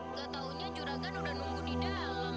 nggak taunya juragan udah nunggu di dalam